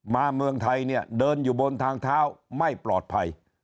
เมืองไทยเนี่ยเดินอยู่บนทางเท้าไม่ปลอดภัย